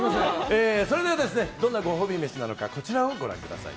それではどんなご褒美飯なのかこちらをご覧ください。